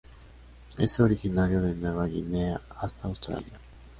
Es originario de Nueva Guinea hasta Australia.